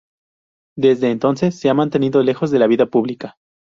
Desde entonces se ha mantenido lejos de la vida pública.